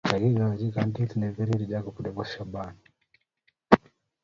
Kakikachi kadit ne pirir Jacob nebo shabana